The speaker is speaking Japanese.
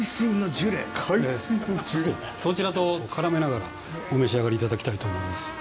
そちらと絡めながらお召し上がりいただきたいと思います。